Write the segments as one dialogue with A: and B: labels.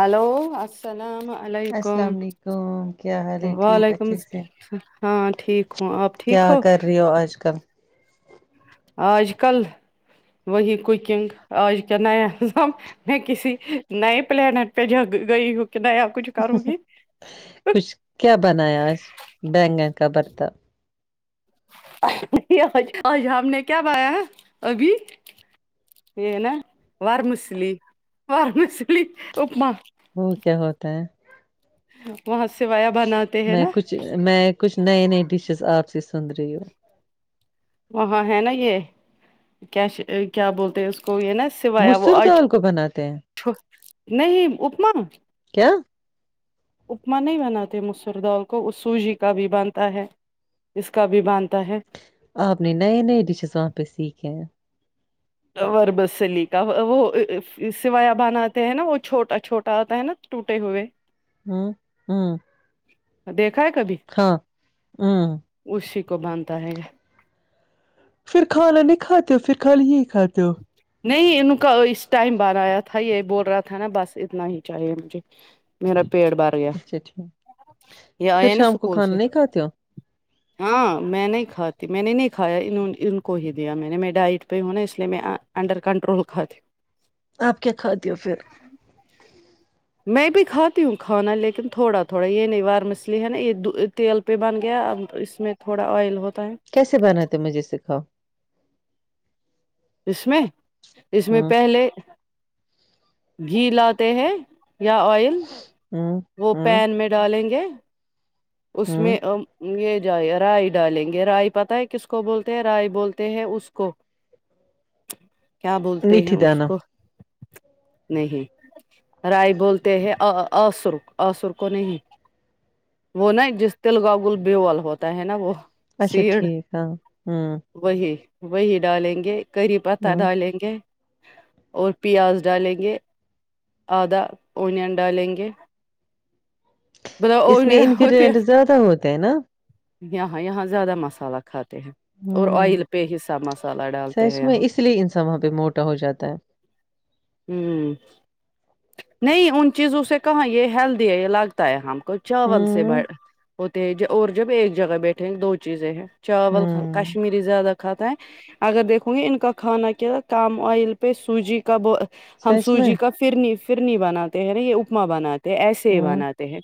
A: hello السلام علیکم
B: السلام علیکم کیا حال ہے ٹھیک
A: وعلیکم
B: اچھے سے
A: السلام ہاں ٹھیک ہوں آپ ٹھیک
B: کیا
A: ہو
B: کر رہی ہو اج کل
A: آج کل وہی [unintelligible] آج کیا نیا [unintelligible] میں کسی نئے پلانٹ پہ جگ گئی ہوں کہ نیا کچھ کروں گی
B: کچھ کیا بنایا آج بگن کا بھرتا
A: آج آج ہم نے کیا بنایا ابھی اور مسلی اور مسلی اپما
B: وہ کیا ہوتا ہے
A: وہاں سےوایا بنات
B: میں کچھ میں کچھ نئے نئے ڈشز آپ سے سن رہی ہوں
A: وہاں ہے نا یہ کیا بولتے ہیں اس کو یہ نا سوایا وہ
B: مصور
A: آج
B: دال کو بناتے ہیں
A: نہیں اپما
B: کیا
A: اپما نہیں بنات مسردال کو وہ سوجی کا بھی بنتا ہے اس کا بھی بنتا ہے
B: آپ نے نئے نئے ڈشز وہاں پہ سیکھے ہیں
A: وربس سلی کا وہ سوایا بان آتے ہیں نا وہ چھوٹا چھوٹا آتا ہے نا ٹوٹے ہوئے
B: ہوں ہوں
A: دیکھا ہے کبھی
B: ہاں
A: اسی کو بنتا ہے
B: پھر کھانا نہیں کھاتے ہو پھر خالی یہی کھاتے ہو
A: نہیں ان کا اس ٹائم بنایا تھا یہ بول رہا تھا نا بس اتنا ہی چاہیے مجھے میرا پیڑ بھر گیا
B: اچھا ٹھیک
A: یہ
B: پھر
A: آیا نا
B: شام کو
A: اسکول
B: کھانا
A: سے
B: نہیں کھاتے ہو
A: ہاں میں نہیں کھاتی میں نے نہیں کایا ان کو ہی دیا میں نے میں ڈائٹ پہ ہوں نا اس لیے میں ا انڈر کنٹرول کھاتی ہو
B: آپ کیا کھاتی ہو پھر
A: میںی بھی کاتی ہوخانہ لیکن تھوڑا تھوڑا یہ نہیں الیے ہی نا یہ تیل پہ بن گیا اب اس میں تھوڑا آئل ہوتا ہے
B: کیسے بناتے ہے مجھے سکھاؤ
A: اس میں اس میں
B: ہ
A: پہلے گھی لاتے ہیں یا آئل
B: ہ
A: وہ
B: ہ
A: پین میں ڈالیں گے اس
B: ہ
A: میں یہ جائے رائے ڈالیں گے رائے پتا ہے کس کو بولتے ہیں رائے بولتے ہیں اس کو کیا بولتے ہیں
B: میٹھی
A: اس
B: دانا
A: کو نہیں رائے بولتے ہیں آسر اسر کو نہیں وہ نا جس تل کاگل بیول ہوتا ہے نا وہ
B: اچھا
A: سیڈ
B: ٹھیک ہ ہوں
A: وہی وہی ڈالیں گے کری پتہ
B: ہوں
A: ڈالیں گے اور پیاز ڈالیں گے آدھا اونین ڈالیں گے مطلب اونینہھ
B: رینٹ زیادہ ہوتے ہیں نا
A: یہاں یہاں زیادہ مسالہ کھاتے ہیں اور
B: ہوں
A: آئل پہ ہی سب مسالہ ڈالتے ہیں
B: سچ میں
A: یہاں
B: اس لیے ان سب وہاں پہ موٹا ہو جاتا ہے
A: ہوں نہیں ان چیزوں سے کہاں یہ ہیلدی ہے یہ لگتا ہے ہم چاول سے
B: ہوں
A: ہوتے اور جب ایک جگہ بیٹھے ہیں دو چیزیں ہیں چاول
B: ہوں
A: کشمییر زیادہ کھاتا ہے اگر دیکھو گے ان کا کھانا کیا کم آئل پہ سوجی کا ب ہم
B: سچ میں
A: سوجی کا فرنی فرنی بناتے ہیں نا یہ اپما بناتے ہیں ایسے ہی
B: ہوں
A: بناتے ہیں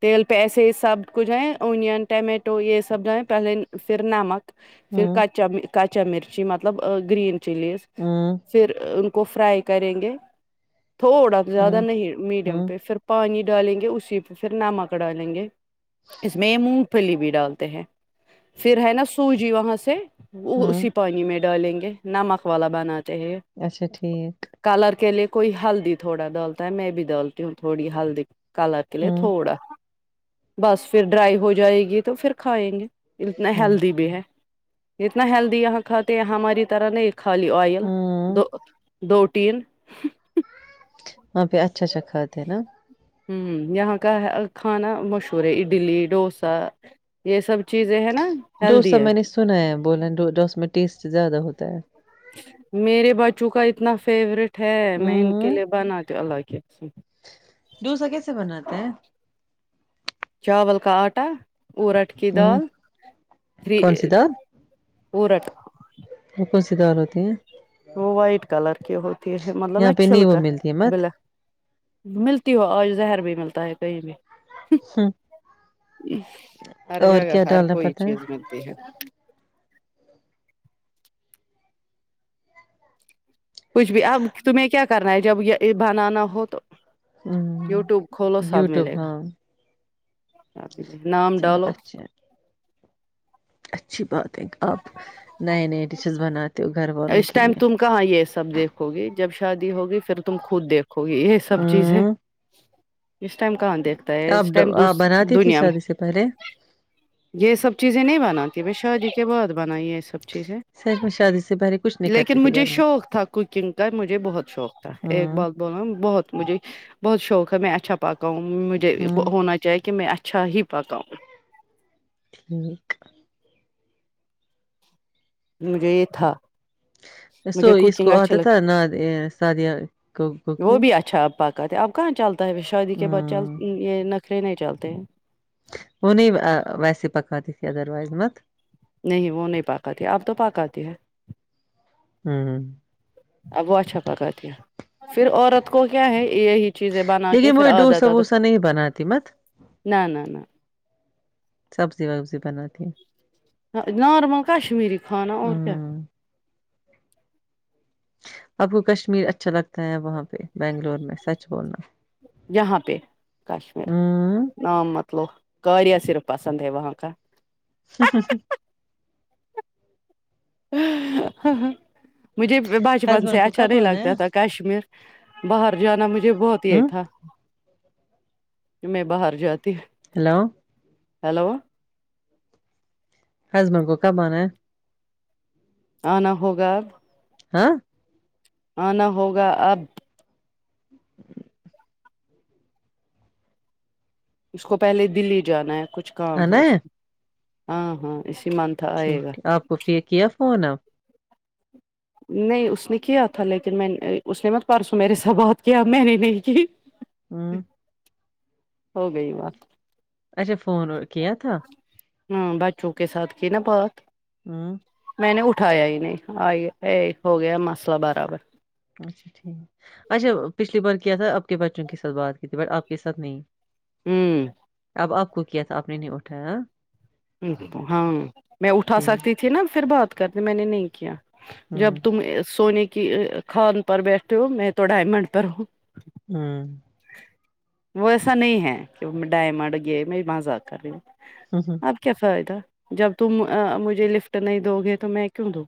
A: تیل پیسے سب کچھ ہے اونین ٹمیٹو یہ سب جو ہے پہلے پھر نمک پھر
B: ہوں
A: کچا کچا مرچی مطلب گرین چلیز
B: ہوں
A: پھر ان کو فرائی کریں گے تھوڑا زیادہ
B: ہوں
A: نہیں میڈیم
B: ہوں
A: پہ پھر پانی ڈالیں گے اسی پہ پھر نمک ڈالیں گے اس میں یہ مونگ پھلی بھی ڈالتے ہیں پھر ہے نا سوجی وہاں سے وہ
B: ہوں
A: اسی پانی میں ڈالیں گے نمک والا بناتے ہے
B: اچھا ٹھیک
A: کلر کے لیے کوئی ہلدی تھوڑا ڈالتا ہے میں بھی ڈالتی ہوں تھوڑی ہلدی کالر کے لیے
B: ہوں
A: تھوڑا بس پھر ڈرائی ہو جائے گی تو پھر کھائیں گے اتنا
B: ہوں
A: ہیلدی بھی ہے اتنا ہیلدی یہاں کھاتے ہیں ہماری طرح نہیں خالی آوئل
B: ہوں
A: دو دوٹین
B: وہاں پہ اچھا اچھا کھاتے ہے نا
A: ہ ہ یہاں کا کھانا مشہور ہے اڈلی ڈوسا یہ سب چیزیں ہیں نا
B: ڈوسا
A: ہیلدی ہے
B: میں نے سنا ہے بول ڈوسا میں ٹیسٹ زیادہ ہوتا ہے
A: میرے بچوں کا اتنا فیورٹ ہے میں ان کے
B: ہوں
A: لیے بناتیوں ال اسمیں
B: ڈوسا کیسے بناتے ہیں
A: چاول کا آٹا اورٹ کی
B: ہوں
A: دال تھری
B: کون سی دال
A: اورٹ
B: وہ کونسی [unintelligible] ہیں
A: وہ وائٹ کلر کی ہوتی ہے مطلب
B: یہاں
A: میں
B: پہ نیبو
A: چھلکا
B: ملتی ہے مت
A: بلیک ملتی ہو آج زہر بھی ملتا ہے
B: ہاں
A: ہر جگہ
B: کیا
A: ہر
B: ڈالنا
A: کوئی
B: پڑتا ہے
A: چیز ملتی ہے کچھ بھی اب تمہیں کیا کرنا ہے جب یہ بنانا ہو تو
B: ہوں
A: یوٹیوب کھولو سب
B: یوٹیوب
A: ملے گا
B: ہاں
A: نام
B: چلو
A: ڈالو
B: اچھا اچھی بات ہے آپ نئے نئے ڈشس بنات
A: اس ٹائم تم کہاں یہ سب دیکھو گی جب شادی ہوگی پھر تم خود دیکھو گی
B: [inaudible] ہ
A: سب چیزیں اس ٹائم کہاں دیکھتا ہے
B: آپ
A: اس ٹائم دوس
B: آپ بناتی تھی
A: دنیا میں
B: شادی سے پہلے
A: یہ سب چیزیں نہیں بناتی بھی شادی کے بعد بنائی ہے یہ سب چیزیں
B: میں شادی سے پہلے کچھ نہیں
A: لیکن
B: کرتی تھی
A: مجھے
B: گھر میں
A: شوق تھا کوکنگ کا مجھے بہت شوق تھا ایک
B: ہوں
A: ب ب بہت مجھے بہت شوق ہے میں اچھا پپکاؤں ہوں مجھے
B: ہوں
A: ہونا جا کہ میں اچھا ہی پکاؤں
B: ج [unintelligible]
A: مجھے یہ تھا
B: اسو
A: مجھے
B: اس کو
A: کوکنگ اچھی
B: آتا تھا
A: لگتی
B: ناد سادیہ کو کوکنگ
A: پکتے اب کہاں چلتا ہے شادی کے بعد چل
B: ہوں
A: یہ نخرے نہیں چلتے
B: وہ نہیں ویسے پکاتی تھی ادروائز مت
A: نہیں وہ نہیں پکاتی آپ تو پکاتی ہے
B: ہوں
A: اب وہ اچھا پکاتی ہے پھر عورت کو کیا ہے چیزیں بنا
B: لیکن
A: کے
B: وہ
A: پھر
B: ڈوسا
A: عادت عادت
B: ووسا نہیں بناتی مت
A: نہ نہ نہ
B: سبزی وبزی بناتی ہیں
A: نارمل کشمیری کھانا اور کیا
B: ہوں آپ کو کشمیر اچھا لگتا ہے وہاں پہ بنگلور میں سچ بولنا
A: جہا [unintelligible]
B: ہوں
A: نام مطلب کریا صرف پسند ہے وہاں کا
B: [inaudible]
A: مجھے بچپن سے
B: ہسبینڈ کو
A: اچھا
B: کب
A: نہیں
B: آنا ہے
A: لگتا تھا کشمیر باہر جانا مجھے بہت یہ
B: ہوں
A: تھا
B: [inaudible]
A: میں باہر جاتی ہ
B: ہیلو
A: ہیلو
B: ہسبینڈ کو کبانا ہے
A: آنا ہوگاب
B: ہاں
A: آنا ہوگا اب اس کو پہلے دلی جانا ہے کچھ کام ہے اس میں ہاں ہاں اسی منت
B: ٹھیک آپ کو پھر کیا فون آپ
A: نہیں اس نے کیا تھا لیکن میں اس نے مت پرسوں میرے سے بات کیا میں نے نہیں کی
B: ہوں
A: ہو گئی بات
B: اچھا فون کیا تھا
A: ہوں بچوں کے ساتھ کی ن بات
B: ہوں
A: میں نے اٹھایا ہی نہیں آ ا ہو گیا مسلہ برابر
B: اچھا ٹھیک اچھا پچھلی بار کیا تھا آپ کے بچوں کے ساتھ بات کی تھی بٹ آپ کے ساتھ نہیں
A: ہوں
B: اب آپ کو کیا تھا آپ نے نہیں اٹھایا
A: ہاں میں اٹھا
B: ٹھیک
A: سکتی تھی نا پھر بات کرتے میں نے نہیں کیا جب
B: ہوں
A: تم سونے کی خان پر بیٹھے ہو میں تو ڈائمنڈ پر ہوں
B: ہوں
A: وہ ایسا نہیں ہے کہ ڈائمنڈ گئے میں مزاق کر رہی ہوں
B: ہاں
A: کیا فائدہ جب تم مجھے لفٹ نہیں دو گے تو میں میں کیوں دیو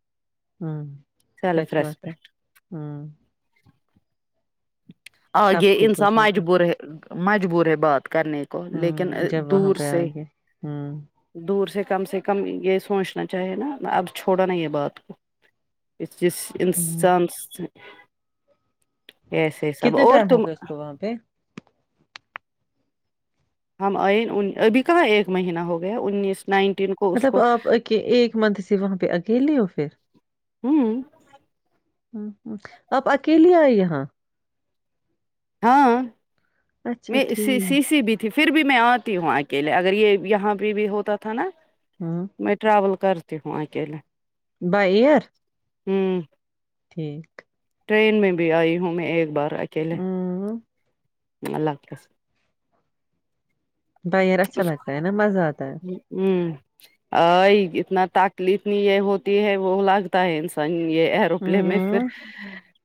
B: ہوں
A: سیلف
B: سچ بات ہے
A: ریسپیکٹ
B: ہوں
A: آگے
B: آپ خود ہو
A: انسان
B: جائے گا
A: مجبور ہے مجبور ہے بات کرنے کو لیکن دور سے
B: ہاں
A: دور سے کم سے کم یہ سوچنا چاہے نا اب چھوڑا نا یہ بات کو اس جس
B: ہوں
A: انسان سے یس یس اب
B: کتنے
A: اور
B: ٹائم ہو
A: تم
B: گیا اس کو وہاں پہ
A: ہم ائ ان ابھی کہاں ایک مہینہ ہو گیا انیس نائنٹین کو اس
B: مطلب
A: کو
B: اپ ک ایک منتھ سے وہاں پہ اکیلے ہو پھر
A: ہوں
B: ہ ہ اپ اکیلے ائے یہاں
A: ہاں
B: اچھا
A: میں سی
B: ٹھیک
A: سی ب ت پھر بھی میں اتی ہوں اکیلے اگر یہ یہاں پہ بھی ہوتا تھا نا
B: ہوں
A: میں ٹراول کرتی ہوں اکیلے
B: بائی ایئر
A: ہم
B: ٹھیک
A: ٹرین میں بھی ائی ہوں میں ایک بار اکیلے
B: ہوں
A: اللہ حافظ
B: بائی ایئر اچھا
A: اس
B: لگتا ہے نا مزہ آتا ہے
A: کو ہم ا اتنا تکلیف یہ ہوتی ہے وہ لگتا ہے صحیح ہے ایروپل میں پھر
B: ہوں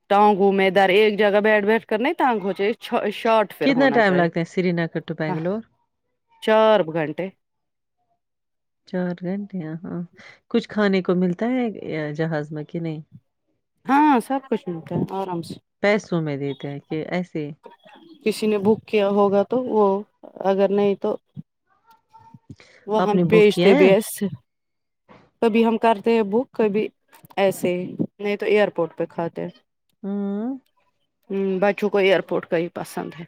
A: ٹانگوں میں ادھر ایک جگہ بیٹھ بیٹھ کر نہیں ٹنگ شارٹ پھر
B: کتنا
A: ہونا
B: ٹائم
A: چاہیے
B: لگتے ہیں سری نگر ٹو
A: ہاں
B: بنگلور
A: چار گھٹے
B: چار گھنٹے ہاں ہا کچھ کھانے کو ملتا ہے جہاز میں کہ نہیں
A: ہاں سب کچھ ملتا ہے آرام سے
B: پیسوں میں دیتے ہیں کہ ایسے
A: کسی نے بک کیا ہوگا تو وہ اگر نہیں تو وہاں
B: آپ نے بک کیا
A: بھیجتے بھی
B: ہے
A: ایسے کبھی ہم کرتے ہیں بک کبھی ایسے ہی نہیں تو ایئر پورٹ پہ کھاتے ہے
B: ہم
A: ہم بچوں کو ایئرپورٹ کا ہی پسند ہے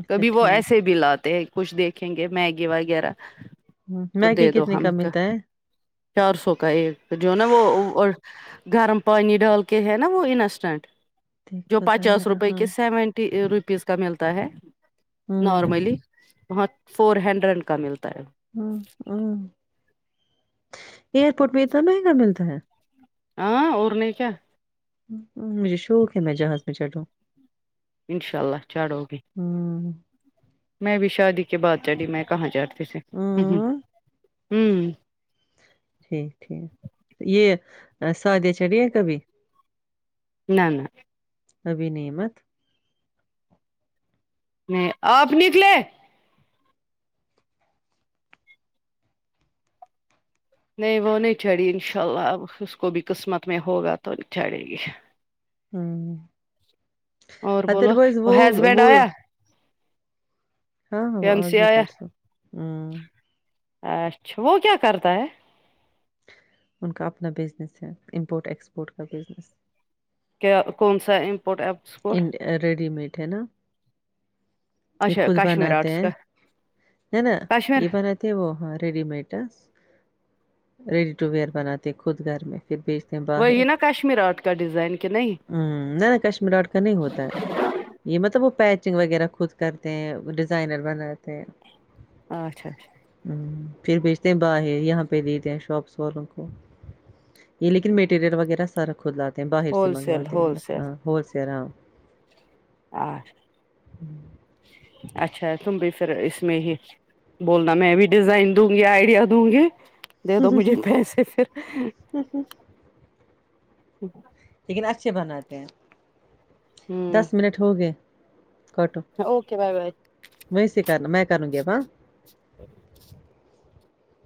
B: اچھا
A: کبھی وہ
B: ٹھیک
A: ایسے ہے دلاتے ہے کچھ دیکھیں گے میگی وغیرہ
B: ہوں،
A: تو
B: میگی
A: دے دو
B: کتنے
A: ہم کا
B: ملتا ہے
A: چار سو کا ایک جو ہے نا وہ گرم پانی ڈال کے ہے نا وہ انسٹنٹ جو
B: دیکھو
A: پچاس روپے
B: رہا
A: کے سیونٹی روپیز کا ملتا ہے
B: ہوں
A: نارملی وہاں فور ہنڈریڈ کا ملتا ہے
B: ہ ہ ایئرپورٹ میں اتنا مہنگا ملتا ہے
A: ہاں اور نہیں کیا
B: مجھے شوق ہے میں جہاز پے چڑھوں
A: انشاء اللہ چڑھ گے
B: ہوں
A: میں بھی شادی کے بعد چڑھی میں کہاں جتی تھے
B: ہوں
A: [unintelligible]
B: ٹھیک ٹھیک یہ سادیا چڑھی ہیں کبھی
A: نا نا
B: ابھی نعمت
A: نہیں اپ نکلے نہیں وہ نہیں چڑھی ان شاء اللہ اب اس کو بھی قسمت میں ہوگا تو چڑھے گی
B: ہ
A: اور بولو
B: ادر وائز وہ
A: ہسبینڈ
B: وہ
A: آیا
B: ہاں ہاں
A: پین سے
B: اگے
A: آیا
B: پڑسو ہ
A: اچھ وہ کیا کرتا ہے
B: ان کا اپنا بزنس ہے امپورٹ ایکسپورٹ کا بزنس
A: کیا کون سا import is
B: in ready made ہے نا یہ
A: اچھا
B: خود
A: کشمیر
B: بناتے
A: آرٹس
B: ہیں
A: کا
B: ہے نا
A: کشمیر
B: یہ بناتے تھے وہ ہاں ready made ready to wear بناتے خود گھر میں پھر بیچ
A: وہی ہے نا کشمیر ارٹ کا ڈیزائن کہ نہیں
B: ہمم نہیں کشمیراٹ کا نہیں ہوتا ہے یہ مطلب وہ پیچنگ وغیرہ خود کرتے ہیں ڈیزائنر بناتے ہیں
A: اچھا اچھا
B: ہ پھر بیچتے ہیں باہر یہاں پہ دیتے ہیں شاپس والوں کو یہ لیکن مٹیریل وغیرہ سارا خود لاتے ہیں باہر سے
A: ہول سیل
B: منگواتے
A: ہول سیل
B: ہول سیل ہاں
A: آ اچھا تم بھی پھر اس میں ہی بولنا میں بھی ڈیزائن دوں گی آئیڈیا دوں گی دے دو مجھے پیسے پھر
B: لیکن اچھے بناتے ہیں
A: ہوں
B: دس منٹ ہو گئے کاٹو
A: اوکے بائے بائے
B: ویسے کرنا میں کروں گی اب ہاں